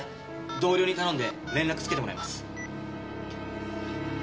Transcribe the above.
同僚に頼んで連絡つけてもらいます。